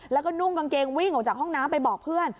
แล้วก็นุ่งกางเกงวิ่งออกจากห้องน้ำไปบอกเพื่อน